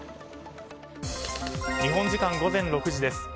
日本時間午前６時です。